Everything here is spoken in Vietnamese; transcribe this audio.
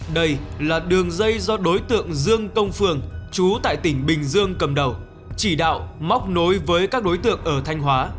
đây là đường dây do đối tượng dương công phường chú tại tỉnh bình dương cầm đầu chỉ đạo móc nối với các đối tượng ở thanh hóa